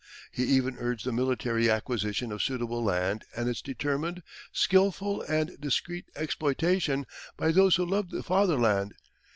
He even urged the military acquisition of suitable land and its determined, skilful, and discreet exploitation by those who loved the Fatherland.